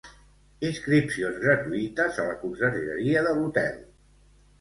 Inscripcions gratuïtes a la consergeria de l'hotel.